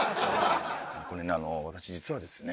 これ私実はですね